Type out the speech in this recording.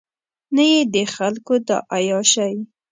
نه یې د خلکو دا عیاشۍ.